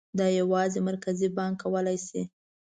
دا یوازې مرکزي بانک کولای شي.